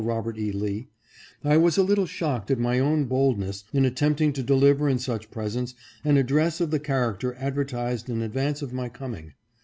Robert E. Lee, I was a little shocked at my own boldness in attempting to deliver in such presence an address of the character advertised in advance of my coming.